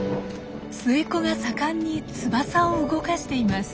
末っ子が盛んに翼を動かしています。